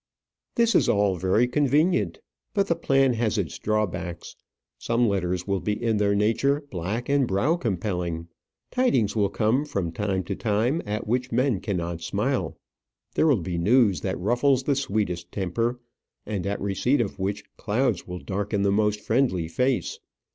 This is all very convenient; but the plan has its drawbacks. Some letters will be in their nature black and brow compelling. Tidings will come from time to time at which men cannot smile. There will be news that ruffles the sweetest temper, and at receipt of which clouds will darken the most kindly face.